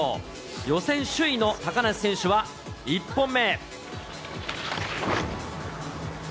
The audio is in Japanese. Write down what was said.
予選首位の高梨選手は、１本目。